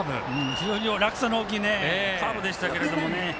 非常に落差の大きいカーブでしたけれども。